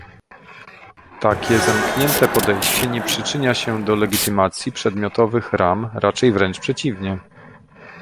Takie zamknięte podejście nie przyczynia się do legitymizacji przedmiotowych ram, raczej wręcz przeciwnie